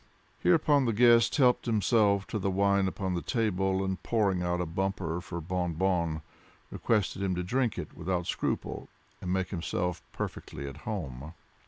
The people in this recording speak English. Hereupon the guest helped himself to the wine upon the table, and pouring out a bumper for Bon Bon, requested him to drink it without scruple, and make himself perfectly at home.